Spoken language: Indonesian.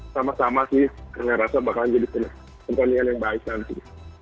sama sama sih saya rasa bakal jadi pertandingan yang baik nanti